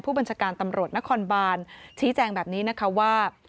บัญชาการตำรวจนครบานชี้แจงแบบนี้นะคะว่า